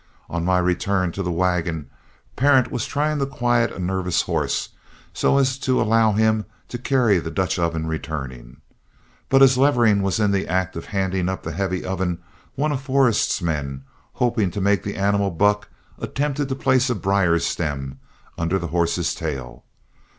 On my return to the wagon, Parent was trying to quiet a nervous horse so as to allow him to carry the Dutch oven returning. But as Levering was in the act of handing up the heavy oven, one of Forrest's men, hoping to make the animal buck, attempted to place a briar stem under the horse's tail.